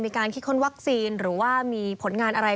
มีการคิดค้นวัคซีนหรือว่ามีผลงานอะไร